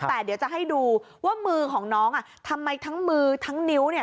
แต่เดี๋ยวจะให้ดูว่ามือของน้องอ่ะทำไมทั้งมือทั้งนิ้วเนี่ย